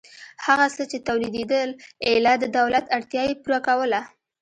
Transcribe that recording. هغه څه چې تولیدېدل ایله د دولت اړتیا یې پوره کوله.